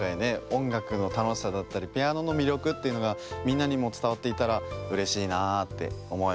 おんがくのたのしさだったりピアノのみりょくというのがみんなにもつたわっていたらうれしいなあっておもいます。